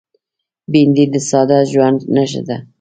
بېنډۍ د ساده ژوند نښه ده